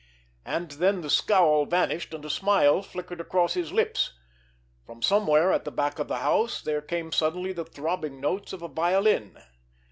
And then the scowl vanished, and a smile flickered across his lips. From somewhere at the back of the house there came suddenly the throbbing notes of a violin.